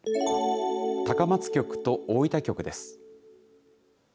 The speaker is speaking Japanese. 高松局と大分局です。